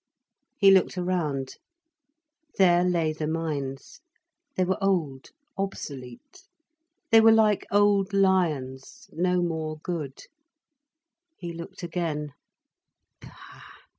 He looked around. There lay the mines. They were old, obsolete. They were like old lions, no more good. He looked again.